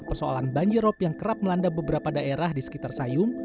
persoalan banjirop yang kerap melanda beberapa daerah di sekitar sayung